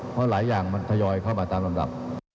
เพราะหลายอย่างมันทยอยเข้ามาตามลำดับ